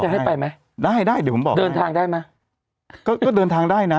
ให้ไปไหมได้ได้เดี๋ยวผมบอกเดินทางได้ไหมก็ก็เดินทางได้นะ